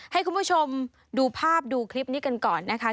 ให้คุณผู้ชมดูภาพดูคลิปนี้กันก่อนนะคะ